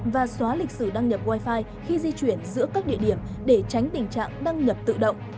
và xóa lịch sử đăng nhập wifi khi di chuyển giữa các địa điểm để tránh tình trạng đăng nhập tự động